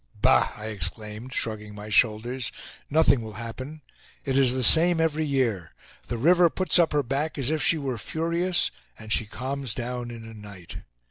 "Bah!" I exclaimed, shrugging my shoulders. "Nothing will happen. It is the same every year. The river puts up her back as if she were furious, and she calms down in a night.